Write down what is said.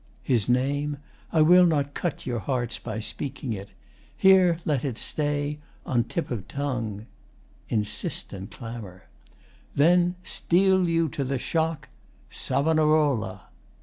His name? I will not cut Your hearts by speaking it. Here let it stay On tip o' tongue. [Insistent clamour.] Then steel you to the shock! Savonarola.